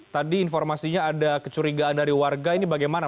tadi informasinya ada kecurigaan dari warga ini bagaimana